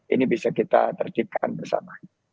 ini bisa kita tercipkan bersama